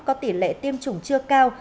có tỷ lệ tiêm chủng chưa cao